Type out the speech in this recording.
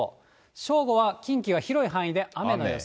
正午は近畿は広い範囲で雨の予想。